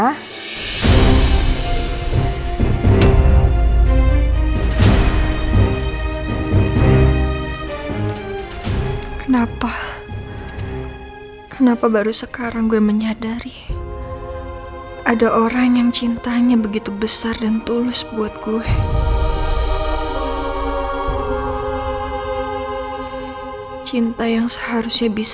saya korban lebih sukai kerahkan t abide ukuran aku dan selamanya quartetnya itu mengalami kekuatan tarzan porque fixing old won't make me want to do any lira